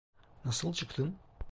Nasıl çıktın?